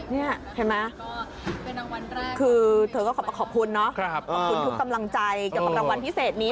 นี่เห็นไหมคือเธอก็ขอบคุณเนาะขอบคุณทุกกำลังใจเกี่ยวกับรางวัลพิเศษนี้